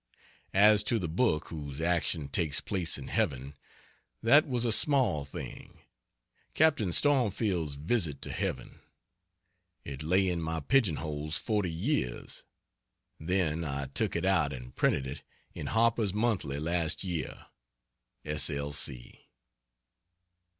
As to the book whose action "takes place in Heaven." That was a small thing, ("Captain Stormfield's Visit to Heaven.") It lay in my pigeon holes 40 years, then I took it out and printed it in Harper's Monthly last year. S. L.